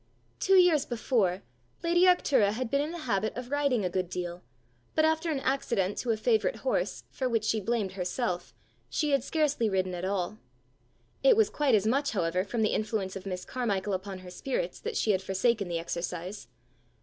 Two years before, lady Arctura had been in the habit of riding a good deal, but after an accident to a favourite horse for which she blamed herself, she had scarcely ridden at all. It was quite as much, however, from the influence of Miss Carmichael upon her spirits, that she had forsaken the exercise.